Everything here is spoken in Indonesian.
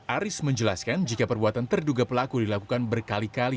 aris menjelaskan jika perbuatan terduga pelaku dilakukan berkali kali